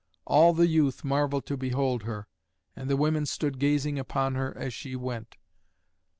All the youth marvelled to behold her, and the women stood gazing upon her as she went.